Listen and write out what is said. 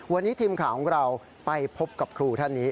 วันนี้ทีมข่าวของเราไปพบกับครูท่านนี้